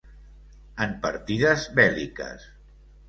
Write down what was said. en partides bèl·liques.